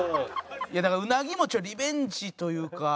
いやだからウナギもリベンジというか。